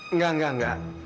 enggak enggak enggak